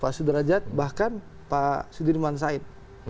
pak sudrajat bahkan pak sudirman said